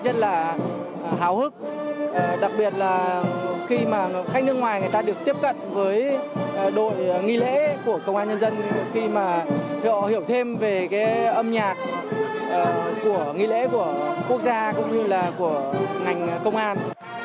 rất là hào hức đặc biệt là khi mà khách nước ngoài người ta được tiếp cận với đội nghi lễ của công an nhân dân khi mà họ hiểu thêm về cái âm nhạc của nghi lễ của quốc gia cũng như là của ngành công an